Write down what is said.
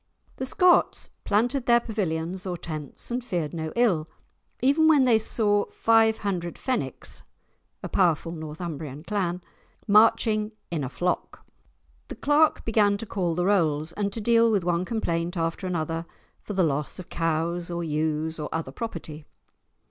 The Scots planted their pavilions or tents and feared no ill, even when they saw five hundred Fenwicks (a powerful Northumbrian clan) "marching in a flock." The clerk began to call the rolls, and to deal with one complaint after another for the loss of cows or ewes or other property.